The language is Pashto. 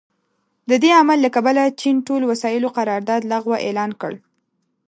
د دې عمل له کبله چین ټول وسايلو قرارداد لغوه اعلان کړ.